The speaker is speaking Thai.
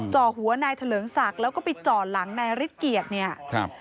จ่อหัวนายเถลิงศักดิ์แล้วก็ไปจ่อหลังนายฤทธิเกียจเนี่ยครับ